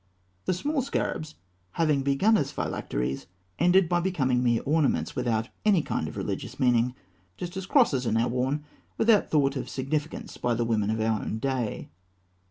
The small scarabs, having begun as phylacteries, ended by becoming mere ornaments without any kind of religious meaning, just as crosses are now worn without thought of significance by the women of our own day.